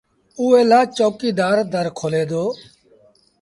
اُئي لآ چوڪيدآر در کولي دو